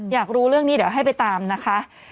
อยากรู้เรื่องนี้เดี๋ยวให้ไปตามนะคะ